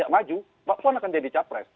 maju mbak puan akan jadi capres